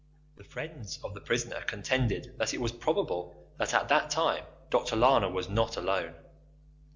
The friends of the prisoner contended that it was probable that at that time Dr. Lana was not alone.